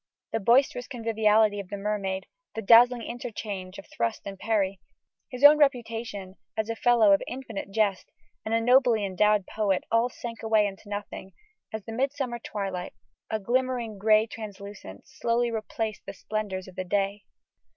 The boisterous conviviality of the Mermaid, the dazzling interchange of thrust and parry, his own reputation as a "fellow of infinite jest," and a nobly endowed poet, all sank away into nothing, as the midsummer twilight, a glimmering grey translucence, slowly replaced the splendours of the day.